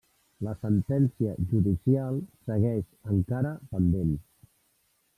La sentència judicial segueix encara pendent.